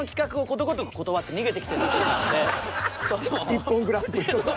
「ＩＰＰＯＮグランプリ」とか。